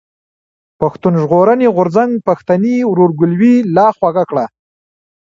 پښتون ژغورني غورځنګ پښتني ورورګلوي لا خوږه کړه.